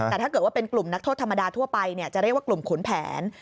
แต่ถ้าเกิดว่าเป็นกลุ่มนักโทษธรรมดาทั่วไปจะเรียกว่ากลุ่มขุนแผน